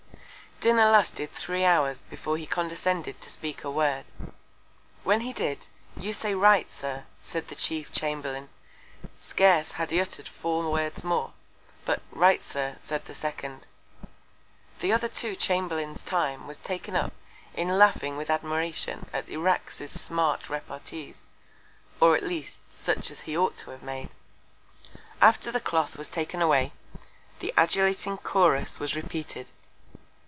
Dinner lasted three Hours before he condescended to speak a Word. When he did; you say Right, Sir, said the chief Chamberlain; scarce had he utter'd four Words more, but Right, Sir, said the second. The other two Chamberlain's Time was taken up in laughing with Admiration at Irax's Smart Repartees, or at least such as he ought to have made. After the Cloth was taken away, the adulating Chorus was repeated.